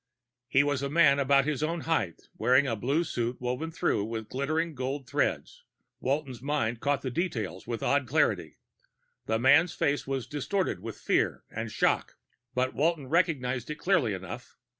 He was a man about his own height, wearing a blue suit woven through with glittering gold threads; Walton's mind caught the details with odd clarity. The man's face was distorted with fear and shock, but Walton recognized it clearly enough.